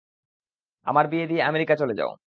আমার বিয়ে দিয়ে আমেরিকা চলে যাও।